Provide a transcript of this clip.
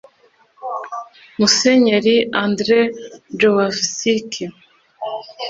Musenyeri Andrzej Józwowicz